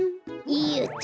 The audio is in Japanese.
よっと！